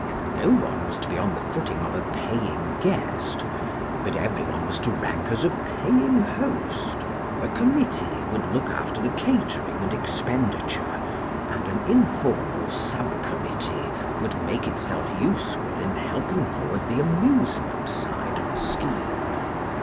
No one was to be on the footing of a paying guest, but every one was to rank as a paying host; a committee would look after the catering and expenditure, and an informal sub committee would make itself useful in helping forward the amusement side of the scheme.